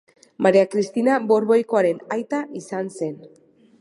Maria Kristina Borboikoaren aita izan zen.